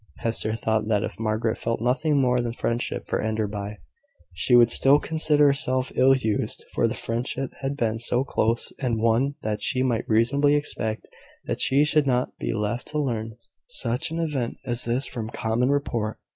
Hester thought that if Margaret felt nothing more than friendship for Enderby, she would still consider herself ill used; for the friendship had been so close an one that she might reasonably expect that she should not be left to learn such an event as this from common report.